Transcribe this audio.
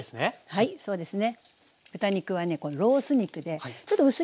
はいそうですね。